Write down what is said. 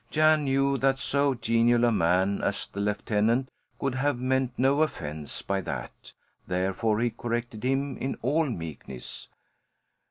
Jan knew that so genial a man as the lieutenant could have meant no offense by that, therefore he corrected him in all meekness.